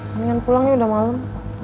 mendingan pulang ya udah malem